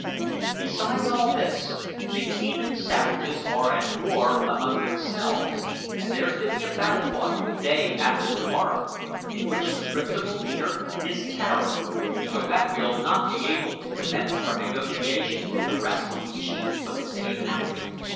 Besides all this, the heathen savages are at war among themselves, and there's to be a battle fought the day after to morrow, in which the principal leader is Tararo; so that we'll not be able to commence our negotiations with the rascally chief till the day after."